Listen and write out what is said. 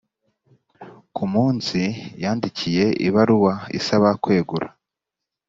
ku munsi yandikiye ibaruwa isaba kwegura